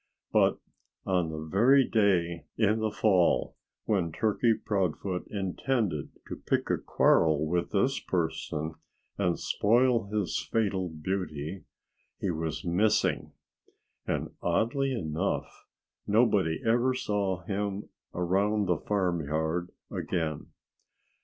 But on the very day, in the fall, when Turkey Proudfoot intended to pick a quarrel with this person and spoil his fatal beauty he was missing. And oddly enough, nobody ever saw him around the farmyard again.